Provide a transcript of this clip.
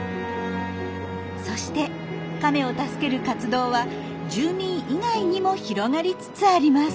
そしてカメを助ける活動は住民以外にも広がりつつあります。